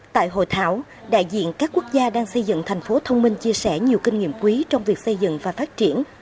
tại hội thảo đại diện các quốc gia đang xây dựng thành phố thông minh chia sẻ nhiều kinh nghiệm quý trong việc xây dựng và phát triển